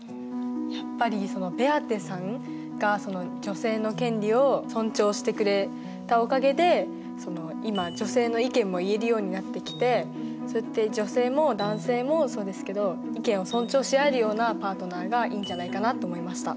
やっぱりベアテさんが女性の権利を尊重してくれたおかげで今女性の意見も言えるようになってきてそうやって女性も男性もそうですけど意見を尊重し合えるようなパートナーがいいんじゃないかなと思いました。